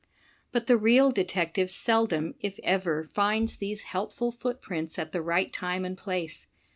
But the real detective seldom if ever finds these helpful footprints at the right time and place.